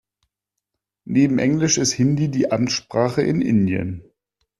Neben Englisch ist Hindi die Amtssprache in Indien.